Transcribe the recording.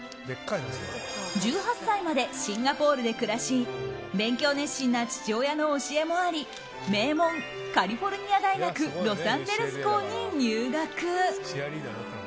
１８歳までシンガポールで暮らし勉強熱心な父親の教えもあり名門カリフォルニア大学ロサンゼルス校に入学。